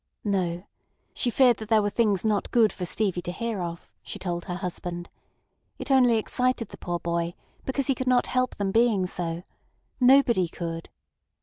No! She feared that there were things not good for Stevie to hear of, she told her husband. It only excited the poor boy, because he could not help them being so. Nobody could.